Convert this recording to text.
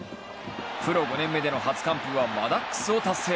プロ５年目での初完封はマダックスを達成。